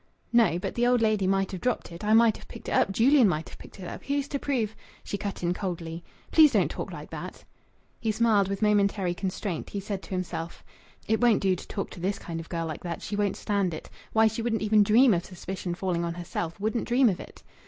"No. But the old lady might have dropped it. I might have picked it up. Julian might have picked it up. Who's to prove " She cut in coldly "Please don't talk like that!" He smiled with momentary constraint. He said to himself "It won't do to talk to this kind of girl like that. She won't stand it.... Why, she wouldn't even dream of suspicion falling on herself wouldn't dream of it."